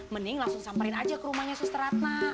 mending langsung samperin aja ke rumahnya suster ratna